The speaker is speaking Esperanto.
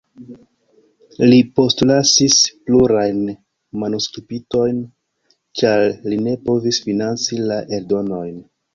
Li postlasis plurajn manuskriptojn, ĉar li ne povis financi la eldonojn.